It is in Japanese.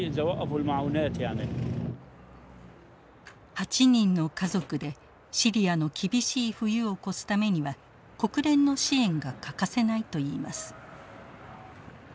８人の家族でシリアの厳しい冬を越すためには国連の支援が欠かせないといいます。